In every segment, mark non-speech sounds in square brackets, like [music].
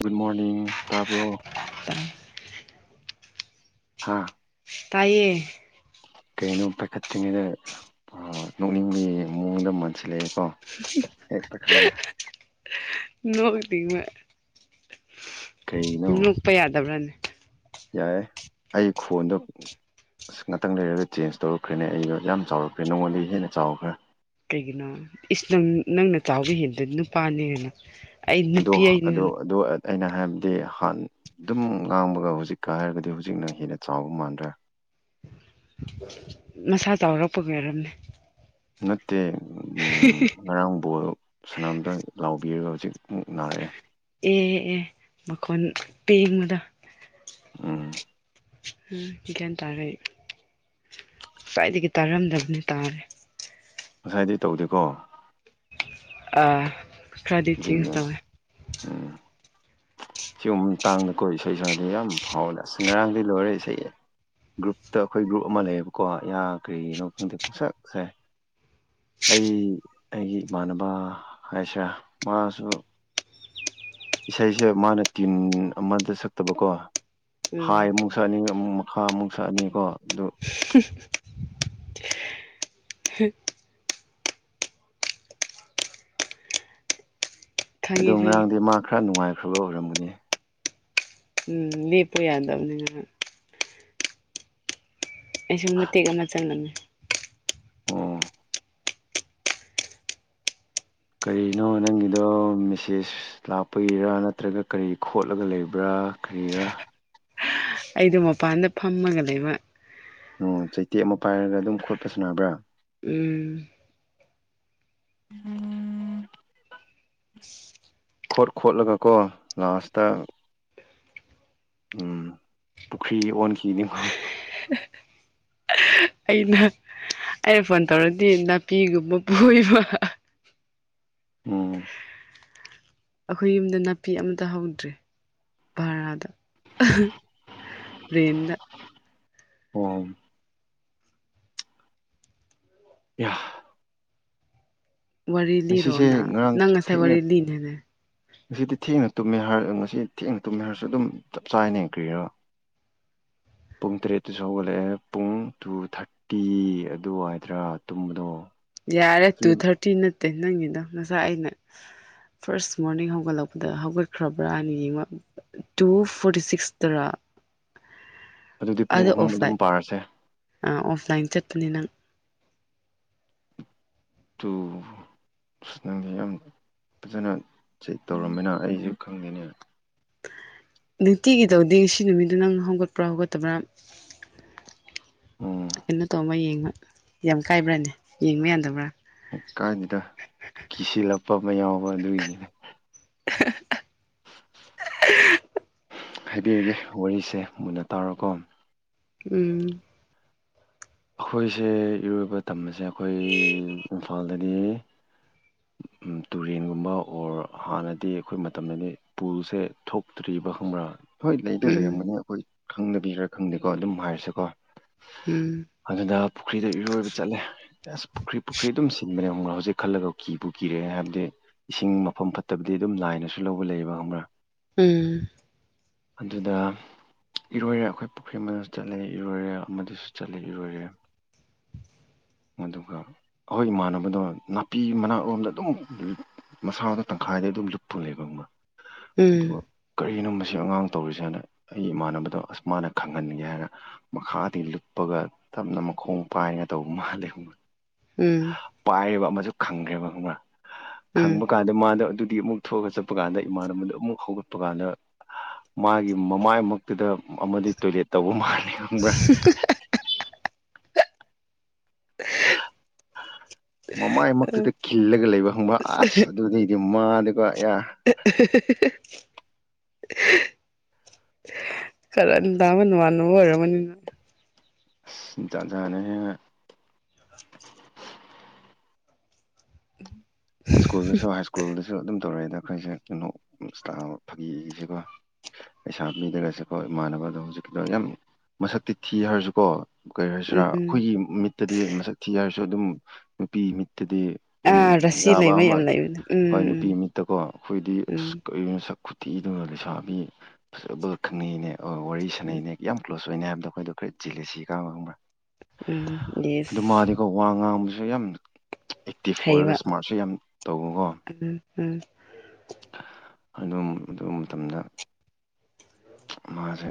Good morning ꯇꯥꯕ꯭ꯔꯣ [unintelligible] ꯍꯥꯥ ꯇꯥꯏꯌꯦ ꯀꯩꯅꯣ ꯄꯥꯏꯈꯠꯇ꯭ꯔꯤꯉꯩꯗ ꯅꯣꯛꯅꯤꯡꯒꯤ ꯃꯑꯣꯡꯗ ꯃꯟꯁꯤꯜꯂꯛꯑꯦꯀꯣ ꯍꯦꯛꯇꯈꯠꯂꯒꯦ ꯅꯣꯛꯔꯤꯉ ꯅꯣꯛꯄ ꯌꯥꯗꯕ꯭ꯔꯥꯅꯦ ꯌꯥꯏꯦ ꯑꯩ ꯈꯣꯟꯗ ꯑꯁ ꯉꯥꯛꯇꯪ ꯂꯩꯔꯒ ꯆꯦꯟꯖ ꯇꯧꯔꯛꯈ꯭ꯔꯦꯅꯦ ꯑꯩꯗꯣ ꯌꯥꯝ ꯆꯥꯎꯔꯛꯈ꯭ꯔꯦ ꯅꯉꯣꯟꯗꯒꯤ ꯍꯦꯟꯅ ꯆꯥꯎꯈ꯭ꯔꯦ ꯀꯩꯒꯤꯅꯣ ꯏꯁ ꯅꯪ ꯅꯪꯅ ꯆꯥꯎꯕ ꯍꯦꯟꯗꯗꯤ ꯅꯨꯄꯥꯅꯤꯅ ꯑꯩ ꯑꯗꯣ ꯅꯨꯄꯤ ꯑꯅꯤꯅ ꯑꯗꯣ ꯑꯗꯣ ꯑꯩꯅ ꯍꯥꯏꯕꯗꯤ ꯍꯥꯟ ꯑꯗꯨꯝ ꯉꯥꯡꯕꯒ ꯍꯧꯖꯤꯛꯀ ꯍꯥꯏꯔꯒꯗꯤ ꯍꯧꯖꯤꯛꯅ ꯍꯦꯟꯅ ꯆꯥꯎꯕ ꯃꯥꯟꯗ꯭ꯔꯦ ꯅꯁꯥ ꯆꯥꯎꯔꯛꯄꯒꯤ ꯑꯣꯏꯔꯝꯅꯤ ꯅꯠꯇꯦ ꯎꯝ ꯎ [unintelligible] [inaudible] ꯉꯔꯥꯡ ꯕꯣꯜ ꯁꯅꯥꯝꯇ ꯂꯥꯎꯕꯤꯔꯒ ꯍꯧꯖꯤꯛ ꯃꯨꯛ ꯅꯥꯔꯛꯑꯦ ꯑꯦ ꯑꯦ ꯃꯈꯣꯟ ꯄꯦꯡꯕꯗ ꯎꯝ ꯎꯝ ꯒ꯭ꯌꯥꯟ ꯇꯥꯔꯦ ꯑꯩ ꯉꯁꯥꯏꯗꯒꯤ ꯇꯥꯔꯝꯗꯕꯅꯤ ꯇꯥꯔꯦ ꯉꯁꯥꯏꯗꯤ ꯇꯧꯗꯦꯀꯣ ꯑ ꯈꯔꯗꯤꯠ ꯍꯧꯖꯤꯛ ꯆꯦꯟꯖ ꯇꯧꯋꯦ ꯌꯨꯝ ꯇꯥꯡꯗꯀꯣ ꯏꯁꯩ ꯁꯗꯤ ꯌꯥꯝ ꯐꯥꯎꯅꯤ ꯑꯁ ꯉꯔꯥꯡꯗꯤ ꯂꯣꯏꯔꯦ ꯏꯁꯩ ꯒ꯭ꯔꯨꯞꯇ ꯑꯩꯈꯣꯏ ꯒ꯭ꯔꯨꯞ ꯑꯃ ꯂꯩꯌꯦꯕꯀꯣ ꯌꯥ ꯀꯔꯤꯅꯣ ꯈꯪꯗꯦ ꯄꯨꯡꯁꯛ ꯁꯛ ꯑ ꯑꯩ ꯑꯩꯒꯤ ꯏꯃꯥꯟꯅꯕ ꯍꯥꯏꯁꯤꯔꯥ ꯃꯥꯁꯨ ꯏꯁꯩꯁꯦ ꯃꯥꯅ ꯇꯤꯝ ꯑꯃꯗ ꯁꯛꯇꯕꯀꯣ ꯎꯝ ꯍꯥꯏ ꯑꯃꯨꯛ ꯁꯛꯑꯅꯤ ꯑꯃꯨꯛ ꯃꯈꯥ ꯑꯃꯨꯛ ꯁꯛꯑꯅꯤꯀꯣ ꯑꯗꯨ ꯍꯨ ꯈꯪꯉꯦ ꯑꯗꯣ ꯈꯪꯉꯦ ꯉꯔꯥꯡꯗꯤ ꯃꯥ ꯈꯔ ꯅꯨꯡꯉꯥꯏꯈ꯭ꯔꯕ ꯑꯣꯏꯔꯝꯒꯅꯤ ꯎꯝ ꯂꯦꯞꯄ ꯌꯥꯗꯕꯅꯤꯅ ꯑꯩꯁꯨꯨ ꯃꯇꯦꯛ ꯑꯃ ꯆꯪꯂꯝꯃꯦ ꯑꯣ ꯀꯔꯤꯅꯣ ꯅꯪꯒꯤꯗꯣ ꯃꯦꯁꯦꯁ ꯂꯥꯞꯄꯒꯤꯔꯥ ꯅꯠꯇ꯭ꯔꯒ ꯀꯔꯤ ꯈꯣꯠꯂꯒ ꯂꯩꯕ꯭ꯔꯥ ꯀꯔꯤꯔ ꯑꯩꯗꯣ ꯃꯄꯥꯟꯗ ꯐꯝꯃꯒ ꯂꯩꯕ ꯑꯣ ꯆꯩꯇꯦꯛ ꯑꯃ ꯄꯥꯏꯔꯒ ꯑꯗꯨꯝ ꯈꯣꯠꯄ ꯁꯥꯅꯕ꯭ꯔꯥ ꯎꯝ [unintelligible] ꯈꯣꯠ ꯈꯣꯠꯂꯒꯀꯣ ꯂꯥꯁꯇ ꯎꯝ ꯄꯨꯈ꯭ꯔꯤ ꯑꯣꯟꯈꯤꯅꯤꯀꯣ [unintelligible] ꯑꯩꯅ ꯑꯩꯅ ꯐꯣꯟ ꯇꯧꯔꯗꯤ ꯅꯥꯄꯤꯒꯨꯝꯕ ꯐꯣꯏꯕ ꯎꯝ ꯑꯩꯈꯣꯏ ꯌꯨꯝꯗ ꯅꯥꯄꯤ ꯑꯃꯠꯇ ꯍꯧꯗ꯭ꯔꯦ ꯚꯔꯥꯗ ꯔꯦꯟꯗ ꯑꯣꯝ ꯌꯥ ꯋꯥꯔꯤ ꯂꯤꯔꯣ ꯉꯁꯤꯁꯦ ꯅ ꯉꯔꯥꯡ ꯅꯪ ꯉꯁꯥꯏ ꯊꯦꯡꯅ ꯋꯥꯔꯤ ꯂꯤꯅꯦꯅ ꯉꯁꯤꯗꯤ ꯊꯦꯡꯅ ꯇꯨꯝꯃꯦ ꯍꯥꯏꯔ ꯉꯁꯤ ꯊꯦꯡꯅ ꯇꯨꯝꯃꯦ ꯍꯥꯏꯔꯁꯨ ꯑꯗꯨꯝ ꯆꯞ ꯆꯥꯏꯅꯦ ꯀ꯭ꯔꯤꯔ ꯄꯨꯡ ꯇꯔꯦꯠꯇꯁꯨ ꯍꯧꯒꯠꯂꯛꯑꯦ ꯄꯨꯡ ꯇꯨ ꯊꯥꯔꯇꯤ ꯇꯤ ꯑꯗꯨ ꯍꯥꯏꯗ꯭ꯔꯥ ꯇꯨꯝꯕꯗꯣ ꯌꯥꯔꯦ ꯇꯨ ꯊꯥꯔꯇꯤ ꯅꯠꯇꯦ ꯅꯪꯒꯤꯗ ꯉꯁꯥꯏ ꯑꯩꯅ ꯐꯥꯔꯁ ꯃꯣꯔꯅꯤꯡ ꯍꯧꯒꯠꯂꯛꯄꯗ ꯍꯧꯒꯠꯈ꯭ꯔꯕ꯭ꯔꯥ ꯍꯥꯏꯅ ꯌꯦꯡ ꯇꯨ ꯐꯣꯔꯇꯤ ꯁꯤꯛꯁ ꯇꯔ ꯑꯗꯨꯗꯤ ꯄꯨꯡ ꯑꯍꯨꯝ ꯑꯗꯨꯝ ꯄꯥꯔꯁꯦ ꯑꯥ ꯑꯣꯐꯂꯥꯏꯟ ꯆꯠꯄꯅꯦ ꯅꯪ ꯇꯨ ꯑꯁ ꯅꯪꯗꯤ ꯌꯥꯝ ꯐꯖꯅ ꯆꯦꯛ ꯇꯧꯔꯝꯃꯤꯅ ꯑꯩꯁꯨ ꯈꯪꯗꯦꯅꯦ ꯅꯨꯡꯇꯤꯒꯤ ꯇꯧꯗꯦ ꯉꯁꯤ ꯅꯨꯃꯤꯠꯇ ꯅꯪ ꯍꯧꯒꯠꯄ꯭ꯔꯥ ꯍꯧꯒꯠꯇꯕ꯭ꯔꯥ ꯎꯝ ꯀꯩꯅꯣ ꯇꯧꯕꯃ ꯌꯦꯡꯕ ꯌꯥꯝ ꯀꯥꯏꯕ꯭ꯔꯥꯅꯦ ꯌꯦꯡꯕ ꯌꯥꯗꯕ꯭ꯔꯥ ꯀꯥꯏꯗꯦꯗ ꯀꯤꯁꯤꯜꯂꯛꯄ ꯑꯃ ꯌꯥꯎꯕ ꯑꯗꯨꯒꯤꯅꯤꯅ ꯍꯥꯏꯕꯤꯔꯒꯦ ꯋꯥꯔꯤꯁꯦ ꯃꯨꯟꯅ ꯇꯥꯔꯣꯀꯣ ꯎꯨꯝ ꯑꯩꯈꯣꯏꯁꯦ ꯏꯔꯣꯏꯕ ꯇꯝꯕꯁꯦ ꯑꯩꯈꯣꯏ ꯏꯝꯐꯥꯜꯗꯗꯤ ꯎꯝ ꯇꯨꯔꯦꯟꯒꯨꯝꯕ ꯑꯣꯔ ꯍꯥꯟꯅꯗꯤ ꯑꯩꯈꯣꯏ ꯃꯇꯝꯗꯗꯤ ꯄꯨꯜꯁꯦ ꯊꯣꯛꯇ꯭ꯔꯤꯕ ꯈꯪꯕ꯭ꯔꯥ ꯍꯣꯏ ꯂꯩꯗ ꯎꯝ ꯂꯩꯔꯝꯒꯅꯤ ꯑꯩꯈꯣꯏ ꯈꯪꯗꯕꯤꯔꯥ ꯈꯪꯗꯦꯀꯣ ꯑꯗꯨꯝ ꯍꯥꯏꯔꯁꯦꯀꯣ ꯎꯨꯝ ꯑꯗꯨꯗ ꯄꯨꯈ꯭ꯔꯤꯗ ꯏꯔꯣꯏꯕ ꯆꯠꯂꯦ ꯑꯁ ꯄꯨꯈ꯭ꯔꯤ ꯄꯨꯈ꯭ꯔꯤ ꯑꯗꯨꯝ ꯁꯤꯟꯕꯅꯦ ꯑꯃꯨ ꯍꯧꯖꯤꯛ ꯈꯜꯂꯒ ꯀꯤꯕꯨ ꯀꯤꯔꯦ ꯍꯥꯏꯕꯗꯤ ꯏꯁꯤꯡ ꯃꯐꯝ ꯐꯠꯇꯕꯗꯤ ꯑꯗꯨꯝ ꯂꯥꯏꯅꯁꯨ ꯂꯧꯕ ꯂꯩꯌꯦꯕ ꯈꯪꯕꯔ ꯎꯨꯝ ꯑꯗꯨꯗ ꯏꯔꯣꯏꯔꯦ ꯑꯩꯈꯣꯏ ꯄꯨꯈ꯭ꯔꯤ ꯑꯃꯁꯨ ꯆꯠꯂ ꯏꯔꯣꯏꯔꯦ ꯑꯃꯗꯤꯁꯨ ꯆꯠꯂꯤ ꯏꯔꯣꯏꯔꯦ ꯑꯗꯨꯒ ꯑꯩꯈꯣꯏ ꯏꯃꯥꯟꯅꯕꯗꯣ ꯅꯥꯄꯤ ꯃꯅꯥꯛꯔꯣꯝꯗ ꯑꯗꯨꯝ ꯃꯁꯥꯗ ꯇꯪꯈꯥꯏꯗꯩ ꯑꯗꯨꯝ ꯂꯨꯞꯄ ꯂꯩꯕꯪꯕ ꯎꯝ ꯑꯗꯨꯒ ꯀꯔꯤꯅꯣ ꯃꯁꯤ ꯑꯉꯥꯡ ꯇꯧꯔꯤꯁꯦꯅ ꯑꯩꯒꯤ ꯏꯃꯥꯟꯅꯕꯗꯣ ꯑꯁ ꯃꯥꯅ ꯈꯪꯍꯟꯒꯦ ꯍꯥꯏꯅ ꯃꯈꯥꯗꯒꯤ ꯂꯨꯞꯄꯒ ꯇꯞꯅ ꯃꯈꯣꯡ ꯄꯥꯏꯒ ꯇꯧꯕ ꯃꯥꯜꯂꯦ ꯎꯨꯝ ꯄꯥꯏꯔꯤꯕ ꯑꯃꯁꯨ ꯈꯪꯈ꯭ꯔꯦꯕ ꯈꯪꯕ꯭ꯔꯥ ꯎꯝ ꯈꯪꯕ ꯀꯥꯟꯗ ꯑꯗ ꯃꯥꯗ ꯑꯗꯨꯗꯤ ꯑꯃꯨꯛ ꯊꯣꯛꯑꯒ ꯆꯠꯄ ꯀꯥꯟꯗ ꯏꯃꯥꯟꯅꯕꯅꯕꯗ ꯑꯃꯨꯛ ꯍꯧꯒꯠꯄ ꯀꯥꯟꯗ ꯃꯥꯒꯤ ꯃꯃꯥꯏ ꯃꯛꯇꯨꯗ ꯑꯃꯗꯤ ꯇꯣꯏꯂꯦꯠ ꯇꯧꯕ ꯃꯥꯂꯦ ꯈꯪꯕ꯭ꯔꯥ ꯎꯝ ꯃꯃꯥꯏꯃꯛꯇꯨꯗ ꯈꯤꯜꯂꯒ ꯂꯩꯕ ꯍꯪꯕ ꯑꯁ ꯑꯗꯨꯅꯤ ꯒꯤ ꯃꯥ ꯑꯗꯨꯒꯀꯣ [unintelligible] [inaudible] ꯀꯔꯟ ꯇꯕꯥ ꯅꯃꯅꯕ ꯑꫭꯏꯔ‌ꯒꯅꯤ ꯖꯥꯠ ꯖꯥꯠ ꯅꯤꯍꯦ ꯎꯝ [unintelligible] [inaudible] ꯁ꯭ꯀꯨꯜꯗꯁꯨ ꯍꯥꯏ ꯁ꯭ꯀꯨꯜꯗꯁꯨ ꯑꯗꯨꯝ ꯇꯧꯔꯛꯏꯗ ꯑꯩꯈꯣꯏꯁꯦ ꯐꯥꯒꯤꯁꯤꯀꯣ ꯄꯩꯁꯥ ꯄꯤꯗꯒꯁꯨꯀꯣ ꯏꯃꯥꯟꯅꯕꯗꯣ ꯍꯧꯖꯤꯛꯀꯤꯗꯣ ꯌꯥꯝ ꯃꯁꯛꯇꯤ ꯊꯤ ꯍꯥꯏꯔꯁꯨꯀꯣ ꯀꯔꯤ ꯍꯥꯏꯁꯤꯔꯥ ꯎꯝ ꯑꯩꯈꯣꯏꯒꯤ ꯃꯤꯠꯇꯗꯤ ꯃꯁꯛ ꯊꯤ ꯍꯥꯏꯔꯁꯨ ꯑꯗꯨꯝ ꯅꯨꯄꯤ ꯃꯤꯠꯇꯗꯤ ꯑꯗꯨꯝ ꯑꯥ ꯔꯁꯤ ꯌꯥꯕ ꯂꯩꯕ ꯑꯃ ꯌꯥꯝ ꯂꯩꯕꯅꯦ ꯍꯣꯏ ꯅꯨꯄꯤ ꯎꯝ ꯃꯤꯠꯇꯀꯣ ꯑꯩꯈꯣꯏꯗꯤ ꯑꯁ ꯎꯝ ꯀꯩꯅꫭ ꯁꯛ ꯈꯨꯠꯇꯤꯗꯨꯅ ꯂꯩꯁꯥꯕꯤ ꯐꯖꯕ ꯈꯪꯅꯩꯅꯦ ꯑꯣ ꯋꯥꯔꯤ ꯁꯥꯟꯅꯩꯅꯦ ꯌꯥꯝ ꯀ ꯀ꯭ꯂꯣꯁ ꯑꯣꯏꯅ ꯍꯥꯏꯕꯗ ꯑꯩꯈꯣꯏꯗ ꯖꯦꯂꯦꯁꯤ ꯀꯥꯕ ꯈꯪꯕꯔꯥ ꯎꯝ ꯌꯦꯁ ꯋꯥ ꯉꯥꯡꯕꯁꯨ ꯌꯥꯝꯅ ꯑꯦꯛꯇꯤꯞ ꯍꯩꯕ ꯑꯣꯏꯔꯒꯁꯨ ꯃꯥꯁꯨ ꯌꯥꯝ ꯇꯧꯉꯨꯀꯣ ꯎꯝ ꯎꯝ ꯑꯗꯨꯝ ꯑꯗꯨ ꯃꯇꯝꯗ ꯃꯥꯁꯦ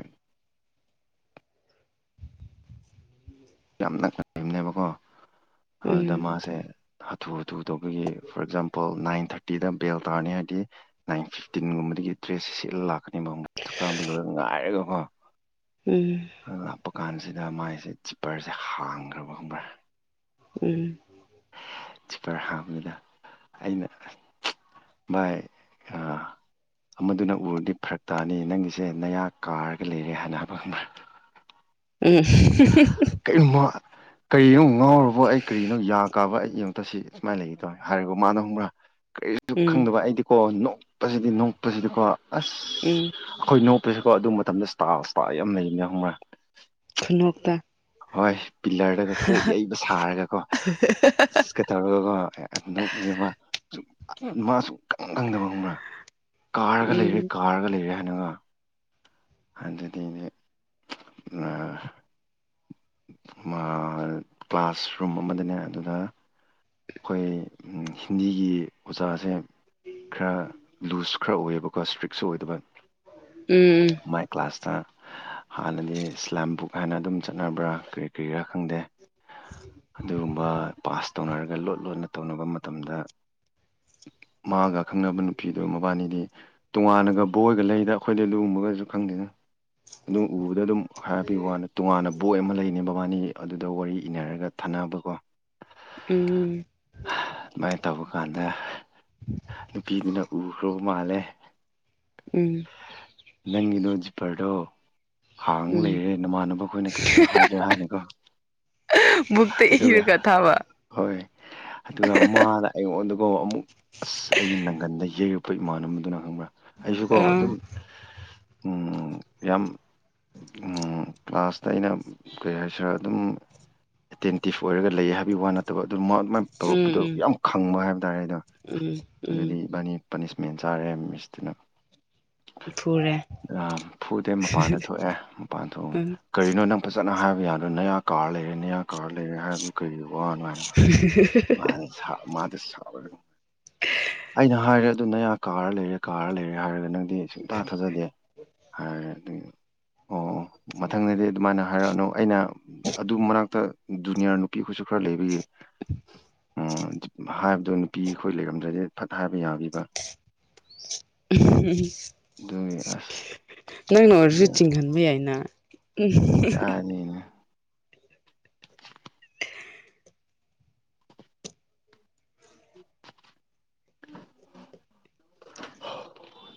ꯌꯥꯝ ꯅꯛꯅꯔꯤꯕꯅꯦꯕꯀꯣ ꯑꯗꯨꯗ ꯎꯝ ꯃꯥꯁꯦ ꯍꯥꯊꯨ ꯍꯥꯊꯨ ꯇꯧꯕꯒꯤ ꯐꯣꯔ ꯑꯦꯛꯖꯥꯝꯄꯜ ꯅꯥꯏꯟ ꯊꯥꯔꯇꯤꯗ ꯕꯦꯜ ꯇꯥꯔꯅꯤ ꯍꯥꯏꯗꯤ ꯅꯥꯏꯟ ꯐꯤꯐꯇꯤꯟꯒꯨꯝꯕꯗꯒꯤ ꯗ꯭ꯔꯦꯁꯁꯦ ꯁꯤꯠꯂ ꯂꯥꯛꯀꯅꯤ ꯃ ꯆꯥꯛ ꯆꯕ ꯂꯣꯏ ꯉꯥꯏꯔꯒ ꯀꯣ ꯎꯝ ꯂꯥꯛꯄ ꯀꯥꯟꯁꯤꯗ ꯃꯥꯏꯁꯦ ꯆꯤꯞꯄꯔꯁꯦ ꯍꯥꯡꯈ꯭ꯔꯕ ꯈꯪꯕ꯭ꯔꯥ ꯎꯝ ꯖꯤꯄꯔ ꯍꯥꯡꯕꯁꯤꯗ ꯑꯩꯅ ꯆꯥꯏ ꯑꯥ ꯑꯃꯗꯨꯅ ꯎꯔꯗꯤ ꯐꯔꯛ ꯇꯥꯅꯤ ꯅꯪꯒꯤꯁꯦ ꯅꯌꯥ ꯀꯥꯔꯒ ꯂꯩꯔꯦ ꯍꯥꯏꯅ ꯍꯥꯏꯕ ꯈꯪꯕꯔ ꯎꯝ ꯀꯔꯤ ꯀꯔꯤꯅꯣ ꯉꯥꯎꯨꯔꯕ ꯑꯩ ꯀꯔꯤꯅꯣ ꯌꯥ ꯀꯥꯕ ꯑꯩ ꯇ ꯁꯤ ꯁꯨꯃꯥꯏꯅ ꯂꯩꯈꯤꯗꯧ ꯍꯥꯏꯔꯔꯤꯕ ꯃꯥꯅ ꯍꯨꯝꯕ꯭ꯔꯥ ꯀꯔꯤꯁꯨ ꯎꯝ ꯈꯪꯗꯕ ꯑꯩꯗꯤ ꯀꯣ ꯅꯣꯛꯄꯁꯤꯗꯤ ꯅꯣꯛꯄꯁꯤꯗꯤꯀꯣ ꯑꯁ ꯎꯝ ꯑꯩꯈꯣꯏ ꯅꯣꯛꯄꯁꯤꯀꯣ ꯑꯗꯨ ꯃꯇꯝꯗ ꯏꯁꯇꯥꯇꯥ ꯌꯥꯝ ꯂꯩꯕꯅꯦ ꯈꯪꯕ꯭ꯔꯦ ꯈꯨꯅꯣꯛꯇ ꯍꯣꯏ ꯄꯤꯂꯔꯗꯒ ꯀꯣꯛ ꯌꯩꯕ ꯁꯥꯔꯒꯀꯣ ꯇꯧꯔꯒ ꯅꯁꯦ ꯃꯥ ꯃꯥꯁꯨ ꯏꯀꯪ ꯀꯪꯗ ꯃꯪꯅ ꯀꯥꯔꯒ ꯂꯩꯔꯦ ꯎꯝ ꯀꯥꯔꯒ ꯂꯩꯔꯦ ꯍꯥꯏꯅꯒ ꯍꯟꯖꯤꯗꯤꯅꯦ ꯀ꯭ꯂꯥꯁꯔꯨꯝ ꯑꯃꯗꯅꯦ ꯑꯗꯨꯗ ꯑꯩꯈꯣꯏ ꯍꯤꯟꯗꯤꯒꯤ ꯑꯣꯖꯥꯁꯦ ꯈꯔ ꯂꯨꯖ ꯈꯔ ꯑꯣꯏꯌꯦꯕꯀꯣ ꯈ ꯏꯁꯇ꯭ꯔꯤꯛꯁꯨ ꯑꯣꯏꯗꯕꯅꯤ ꯎꯝ ꯑꯗꯨꯃꯥꯏ ꯀ꯭ꯂꯥꯁꯇ ꯍꯥꯟꯅꯗꯤ ꯁꯂꯦꯝ ꯕꯨꯛ ꯍꯥꯏꯅ ꯑꯗꯨꯝ ꯆꯠꯅꯕ꯭ꯔꯥ ꯀꯔꯤ ꯀꯔꯤ ꯈꯔꯥ ꯈꯪꯗꯦ ꯑꯗꯨꯒꯨꯝꯕ ꯄꯥꯁ ꯇꯧꯅꯔꯒ ꯂꯣꯟꯅ ꯇꯧꯅꯕ ꯃꯇꯝꯗ ꯃꯥꯒ ꯈꯪꯅꯕ ꯅꯨꯄꯤꯗꯨꯣ ꯃꯕꯥꯅꯤꯗꯤ ꯇꯣꯉꯥꯟꯅꯒ ꯕꯣꯏꯒ ꯂꯩꯗ ꯑꯩꯈꯣꯏꯗꯩ ꯂꯨꯕꯒꯁꯨ ꯈꯪꯗꯦꯅ ꯑꯗꯨꯝ ꯎꯕꯗ ꯑꯗꯨꯝ ꯍꯥꯏꯔꯕꯤꯕꯅ ꯇꯣꯉꯥꯟꯅ ꯕꯣꯏ ꯑꯃ ꯂꯩꯅꯤ ꯕꯕꯥꯅꯤ ꯑꯗꯨꯗ ꯋꯥꯔꯤ ꯏꯅꯔꯒ ꯊꯥꯅꯕꯀꯣ ꯎꯝꯝ ꯑꯗꯨꯃꯥꯏꯅ ꯇꯧꯕ ꯀꯥꯟꯗ ꯅꯨꯄꯤꯗꯨꯅ ꯎꯈ꯭ꯔꯕ ꯃꯥꯜꯂꯦ ꯎꯝ ꯅꯪ ꯅꯣꯖꯤ ꯄꯔꯣ ꯍꯥꯡꯅ ꯎꯝ ꯂꯩꯔꯦ ꯅꯃꯥꯟꯅꯕ ꯑꯩꯈꯣꯏꯅ ꯀꯔꯤꯁꯨ ꯍꯥꯏꯗ꯭ꯔꯥ ꯍꯥꯏꯅꯤꯀꯣ ꯛꯇ ꯏꯔ ꯀ ꯊꯕ ꯍꯣꯏ ꯑꯗꯨꯒ ꯃꯥꯅ ꯑꯩꯉꯣꯟ ꯑꯗꯨꯒ ꯑꯃꯨꯛ ꯑꯁ ꯑꯩ ꯅꯪꯒꯟꯗ ꯌꯩꯔꯛꯄ ꯏꯃꯥꯟ ꯑꯃꯗꯨꯅ ꯈꯪꯕ꯭ꯔꯥ ꯑꯩꯁꯨꯀꯣ ꯑꯥ ꯑꯗꯨꯝ ꯎ ꯌꯥꯝ ꯀ꯭ꯂꯥꯁꯇ ꯑꯩꯅ ꯀꯩ ꯍꯥꯏꯁꯤꯔꯥ ꯑꯗꯨꯝ ꯑꯦꯇꯦꯟꯇꯤꯞ ꯑꯣꯏꯔꯒ ꯂꯩ ꯍꯥꯏꯕꯒꯤ ꯋꯥ ꯅꯠꯇꯕ ꯑꯗꯨ ꯑꯗꯨꯃꯥꯏꯅ ꯎꯝ ꯇꯧꯔꯛꯄꯗꯣ ꯎꯝ ꯌꯥꯝ ꯈꯪꯕ ꯍꯥꯏꯕ ꯇꯥꯔꯦ ꯑꯗ ꯎꯝ ꯑꯗꯨꯗꯤ ꯎꯝ ꯏꯕꯥꯅꯤ ꯄꯅꯤꯁꯃꯦꯟ ꯆꯥꯔꯦ ꯃꯤꯁꯇꯅ ꯐꯨꯔꯦ ꯐꯨꯗꯦ ꯃꯄꯥꯟꯗ ꯊꯣꯛꯑꯦ ꯃꯄꯥꯟ ꯊꯣꯛ ꯎꯝ ꯀꯔꯤꯅꯣ ꯅꯪ ꯐꯖꯅ ꯍꯥꯏꯕ ꯌꯥꯗꯣ ꯅꯌꯥ ꯀꯥꯔ ꯂꯩꯔꯦ ꯅꯌꯥ ꯀꯥꯔ ꯂꯩꯔꯦ ꯍꯥꯏꯕꯗꯨ ꯀꯔꯤ ꯋꯥꯅꯣ ꯍꯥꯏꯣ ꯃꯥꯗꯁꯨ ꯁ ꯑꯩꯅ ꯍꯥꯏꯔꯦ ꯑꯗꯨꯅ ꯀꯥꯔ ꯂꯩꯔꯦ ꯀꯥꯔ ꯂꯩꯔꯦ ꯍꯥꯏꯔꯒ ꯅꯪ ꯁꯨꯡ ꯊꯥꯖꯗꯦ ꯍꯥꯏꯔꯦ ꯑꯗꯨ ꯑꯣ ꯑꯣ ꯃꯊꯪꯗꯗꯤ ꯑꯗꯨꯃꯥꯏꯅ ꯍꯥꯏꯔꯛꯑꯅꯨ ꯑꯩꯅ ꯑꯗꯨ ꯃꯅꯥꯛꯇ ꯗꯨꯅꯤꯌꯥꯔ ꯅꯨꯄꯤꯈꯣꯏꯁꯨ ꯈꯔ ꯂꯩꯕꯒꯤ [inaudible] ꯍꯥꯏꯕꯗꯣ ꯅꯨꯄꯤ ꯑꯩꯈꯣꯏ ꯂꯩꯔꯝꯗ꯭ꯔꯗꯤꯦ ꯐꯠꯇ ꯍꯥꯏꯕ ꯌꯥꯕꯤꯕ ꯑꯗꯨꯒꯤ ꯑꯁ ꯅꯪꯅ ꯔꯨꯇꯤꯡ ꯈꯕ ꯌꯥꯅ ꯑꯅꯤ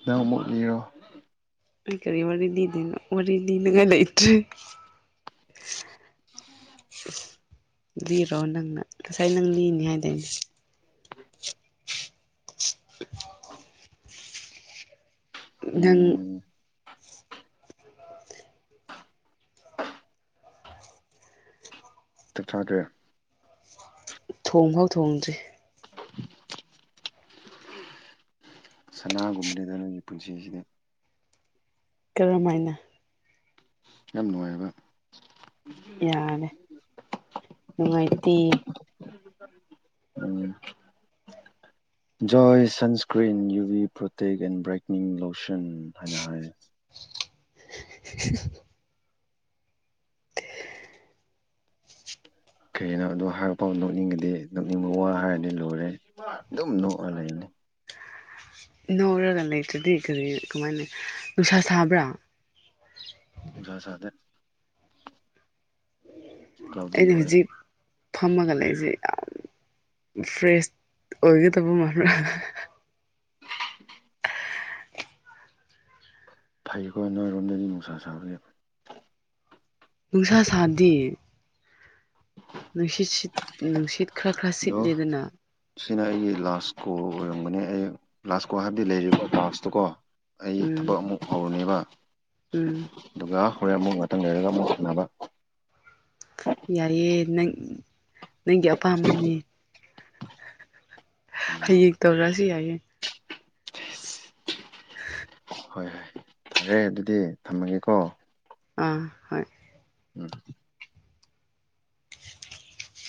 ꯅꯪ ꯑꯃꯨꯛ ꯏꯔꯣ ꯑꯩ ꯀꯔꯤ ꯋꯥꯔꯤ ꯂꯤꯗꯅꯣ ꯋꯥꯔꯤ ꯂꯤꯅꯤꯡꯉꯥꯏ ꯂꯩꯇ꯭ꯔꯦ ꯂꯤꯔꯣ ꯅꯪꯅ ꯉꯁꯥꯏ ꯅꯪ ꯂꯤꯅꯤ ꯍꯥꯏꯗꯣꯏꯅꯦ ꯅꯪ ꯎꯝ ꯆꯞ ꯆꯥꯗꯣꯛꯔꯦ ꯊꯣꯡꯐꯥꯎ ꯊꯣꯡꯗ꯭ꯔꯤ [unintelligible] ꯁꯅꯥꯒꯨꯝꯕꯅꯤꯗ ꯅꯣꯏꯒꯤ ꯄꯨꯟꯁꯤꯁꯤꯗ ꯀꯔꯝꯥꯏꯅ ꯌꯥꯝ ꯅꯨꯡꯉꯥꯏꯕ ꯅꯨꯡꯉꯥꯏꯇ ꯎꯝ ꯖꯣꯏ sunscreen U V protect and brightening lotion ꯍꯥꯏꯅ ꯍꯥꯏ꯫ [unintelligible] ꯀꯔꯤ ꯍꯥꯏꯅ ꯑꯗꯣ ꯍꯥꯏꯔꯛ ꯐꯥꯎ ꯅꯣꯛꯅꯤꯡꯉꯗꯤ ꯅꯣꯛꯅꯤꯡꯕ ꯋꯥ ꯍꯥꯏꯔꯗꯤ ꯂꯣꯏꯔꯦ ꯑꯗꯨꯝ ꯅꯣꯛꯑ ꯂꯩꯅꯤ꯫ ꯅꯧꯔꯒ ꯂꯩꯇ꯭ꯔꯗꯤ ꯀꯔꯤ ꯀꯃꯥꯏꯅ ꯅꯨꯡꯁꯥ ꯁꯥꯕ꯭ꯔꯥ꯫ ꯅꯨꯡꯁꯥ ꯁꯥꯗꯦ꯫ ꯀ꯭ꯂꯥꯎꯗꯤ ꯑꯩꯅ ꯑꯣꯏ ꯍꯧꯖꯤꯛ꯫ ꯐꯝꯃꯒ ꯂꯩꯁꯦ ꯌꯥꯝ ꯐ꯭ꯔꯦꯁ ꯑꯣꯏꯒꯗꯕ ꯃꯔ꯫ [unintelligible] ꯅꯣꯏꯔꯣꯝꯗꯗꯤ ꯅꯨꯡꯁꯥ ꯁꯥꯕ꯫ ꯅꯨꯡꯁꯥ ꯁꯥꯗꯤꯦ ꯅꯨꯡꯁꯤꯠ ꯁꯤꯠ ꯅꯨꯡꯁꯤꯠ꯫ ꯈꯔ ꯈꯔ ꯑꯗꯣ꯫ ꯁꯤꯠꯂꯦꯗꯅ ꯁꯤꯅ ꯑꯩꯒꯤ ꯂꯥꯁ ꯀꯣ ꯑꯣꯏꯔꯝꯒꯅꯦ ꯑꯩ ꯂꯥꯁ ꯀꯣ ꯍꯥꯏꯕꯗꯤ ꯂꯩꯔꯤꯕ ꯂꯥꯁꯇꯣꯀꯣ꯫ ꯑꯩ ꯎꯝ ꯊꯕꯛ ꯑꯃꯨꯛ ꯍꯧꯔꯅꯦꯕ꯫ ꯎꯝ꯫ ꯑꯗꯨꯒ ꯍꯣꯔꯦꯟ ꯑꯃꯨꯛ ꯉꯥꯛꯇꯪ ꯂꯩꯔꯒ ꯑꯃꯨꯛ ꯁꯥꯟꯅꯕ꯫ ꯌꯥꯏꯑꯦ ꯅꯪ ꯅꯪꯒꯤ ꯑꯄꯥꯝꯕꯅꯤ꯫ ꯍꯌꯦꯡ ꯇꯧꯔꯛꯑꯁꯨ ꯌꯥꯏꯌꯦ꯫ ꯍꯣꯏ ꯍꯣꯏ꯫ ꯐꯔꯦ ꯑꯗꯨꯗꯤ ꯊꯝꯃꯒꯦꯀꯣ꯫ ꯑꯥ ꯍꯣꯏ꯫ ꯎꯝ꯫